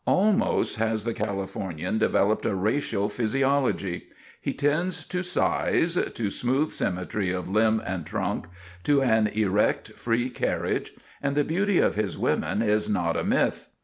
Almost has the Californian developed a racial physiology. He tends to size, to smooth symmetry of limb and trunk, to an erect, free carriage; and the beauty of his women is not a myth.